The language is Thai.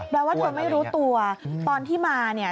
ว่าเธอไม่รู้ตัวตอนที่มาเนี่ย